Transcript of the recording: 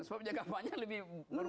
soal jangka panjang lebih